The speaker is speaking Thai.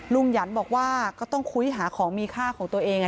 หยันบอกว่าก็ต้องคุยหาของมีค่าของตัวเอง